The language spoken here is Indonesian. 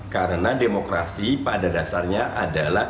karena demokrasi pada dasarnya adalah